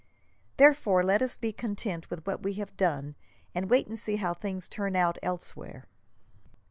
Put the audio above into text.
Therefore, let us be content with what we have done, and wait and see how things turn out elsewhere."